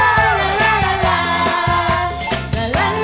ลาลาลาลาลา